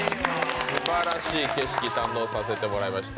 すばらしい景色堪能させてもらいました。